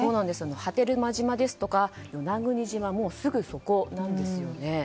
波照間島ですとか与那国島がもうすぐそこなんですね。